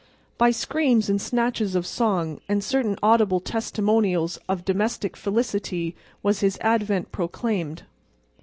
By screams and snatches of song and certain audible testimonials of domestic felicity was his advent proclaimed.